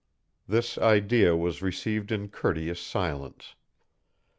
This idea was received in courteous silence.